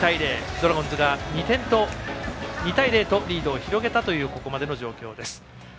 ドラゴンズが２対０とリードを広げたというここまでの状況です。